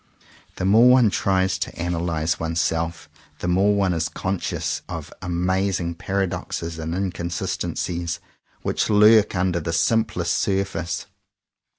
The more one tries to analyze oneself the more one is conscious of amazing paradoxes and inconsistencies which lurk under the simplest surface.